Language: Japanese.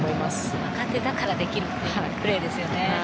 若手だからできるというプレーですよね。